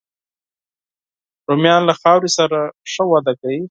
رومیان له خاورې سره ښه وده کوي